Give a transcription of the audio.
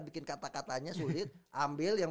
bikin kata katanya sulit ambil yang